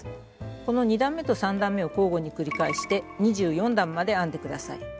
この２段めと３段めを交互に繰り返して２４段まで編んで下さい。